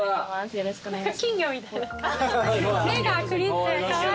よろしくお願いします。